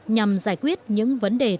nhằm giải quyết những vấn đề tương lai